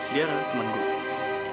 dia ada temen gue